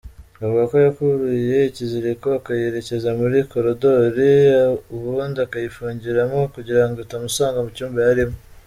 Avuga ko yakuruye ikiziriko akayerekeza muri corodori ubundi akayifungiramo kugirango itamusanga mu cyumba yarimo.